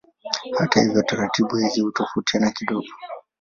Hata hivyo taratibu hizi hutofautiana kidogo.